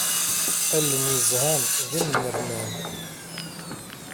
Allen yezhan d imnernan.